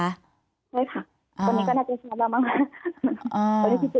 ไม่ค่ะตอนนี้ก็นัดที่สองแล้วมาก